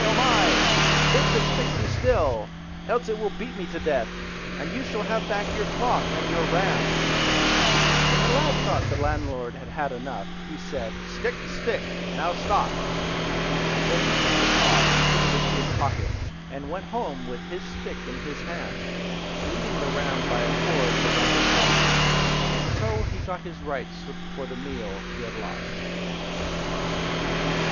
oh my! bid the stick be still, else it will beat me to death, and you shall have back your cloth and your ram, When the lad thought the landlord had got enough, he said— "Stick, stick! now stop!" Then he took the cloth and put it into his pocket, and went home with his stick in his hand, leading the ram by a cord round its horns; and so he got his rights for the meal he had lost.